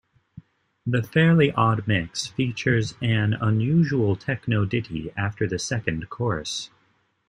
The "Fairly Odd Mix" features an unusual techno ditty after the second chorus.